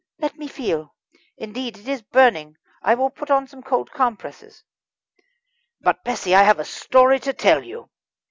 "Let me feel. Indeed, it is burning. I will put on some cold compresses." "But, Bessie, I have a story to tell you."